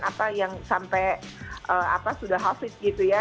atau yang sampai sudah hafiz gitu ya